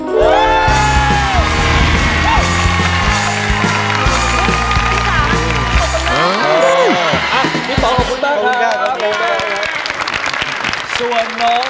พี่ป๋องขอบคุณมากครับ